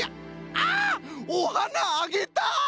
あおはなあげたい！